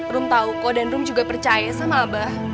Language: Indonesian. rom tau kok dan rom juga percaya sama abah